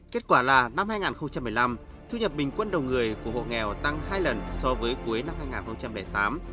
kết quả là năm hai nghìn một mươi năm thu nhập bình quân đầu người của hộ nghèo tăng hai lần so với cuối năm hai nghìn tám